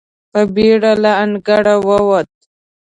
په بېړه له انګړه ووت.